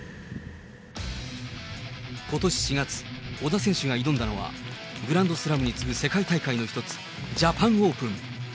ことし４月、小田選手が挑んだのは、グランドスラムに次ぐ世界大会の一つ、ジャパンオープン。